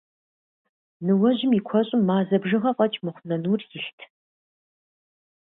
Ныуэжьым и куэщӀым мазэ бжыгъэ фӀэкӀ мыхъуа нэнур илът.